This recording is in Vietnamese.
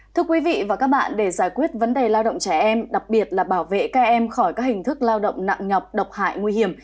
thưa quý vị và các bạn để giải quyết vấn đề lao động trẻ em đặc biệt là bảo vệ các em khỏi các hình thức lao động nặng nhọc độc hại nguy hiểm